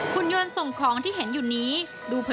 ผลยนต์ส่งของที่เห็นอยู่นี้